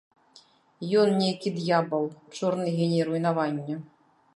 Ён нейкі д'ябал, чорны геній руйнавання.